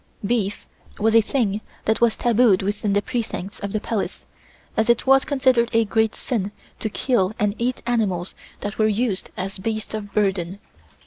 Beef was a thing that was tabooed within the precincts of the Palace, as it was considered a great sin to kill and eat animals that were used as beasts of burden.